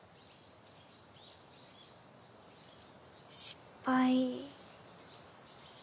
失敗。